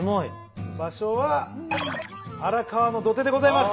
場所は荒川の土手でございます。